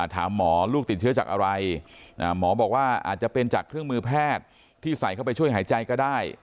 ถามหมอลูกติดเชื้อจากอะไรหมอบอกว่าอาจจะเป็นจากเครื่องมือแพทย์ที่ใส่เข้าไปช่วยหายใจก็ได้